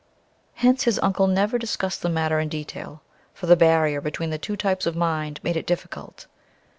With his uncle he never discussed the matter in detail, for the barrier between the two types of mind made it difficult.